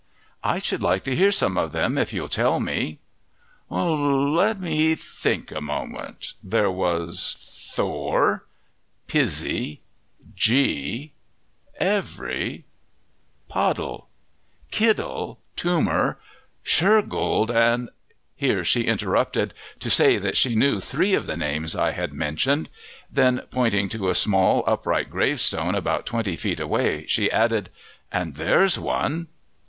"I should like to hear some of them if you'll tell me." "Let me think a moment: there was Thorr, Pizzie, Gee, Every, Pottle, Kiddle, Toomer, Shergold, and " Here she interrupted to say that she knew three of the names I had mentioned. Then, pointing to a small, upright gravestone about twenty feet away, she added, "And there's one."